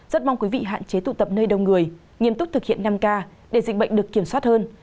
rất mong quý vị hạn chế tụ tập nơi đông người nghiêm túc thực hiện năm k để dịch bệnh được kiểm soát hơn